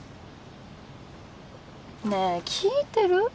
ねえ聞いてる？